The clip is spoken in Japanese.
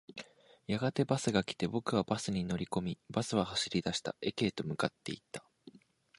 やがてバスが来て、僕はバスに乗り込み、バスは走り出した。駅へと向かっていった。